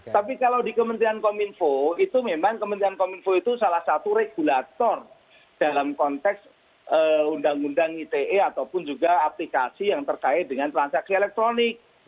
tapi kalau di kementerian kominfo itu memang kementerian kominfo itu salah satu regulator dalam konteks undang undang ite ataupun juga aplikasi yang terkait dengan transaksi elektronik